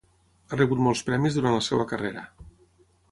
Ha rebut molts premis durant la seva carrera.